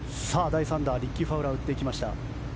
第３打リッキー・ファウラー打っていきました。